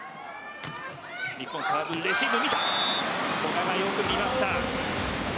古賀がよく見ました。